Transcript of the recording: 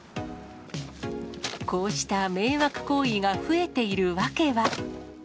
こうした迷惑行為が増えている訳は。